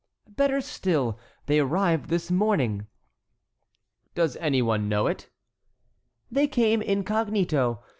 "Better still, they arrived this morning." "Does any one know it?" "They came incognito.